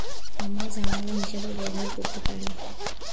আমরা জানালা হিসেবে ব্যবহার করতে পারি?